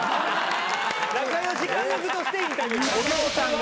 仲良し家族としてインタビュー。